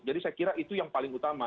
jadi saya kira itu yang paling utama